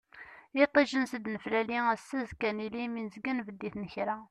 Iṭij ansa i d-neflali, ass-a azekka ad nili, mi nezga nbedd i tnekra.